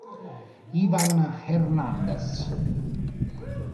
Iván Hernández